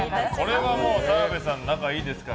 これは澤部さん仲いいですから。